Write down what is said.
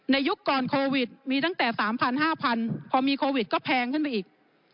ยุคก่อนโควิดมีตั้งแต่๓๐๐๕๐๐พอมีโควิดก็แพงขึ้นไปอีก